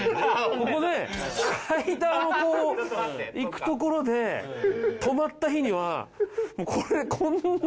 ここで間をこう行く所で止まった日にはこれこんな。